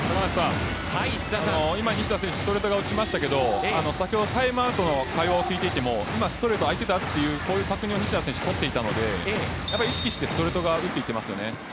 今、西田選手はストレートに打ちましたけど先ほどタイムアウトの対応を聞いていてもストレート、空いていた？という確認を西田選手はとっていたので意識してストレート側に打っていっていますね。